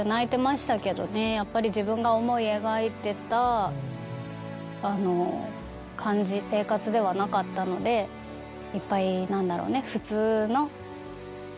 やっぱり自分が思い描いてた感じ生活ではなかったのでいっぱい何だろうね。